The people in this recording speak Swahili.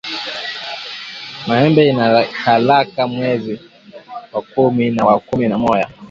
Mahembe inaikalaka mwenzi wa kumi na wa kumi na moya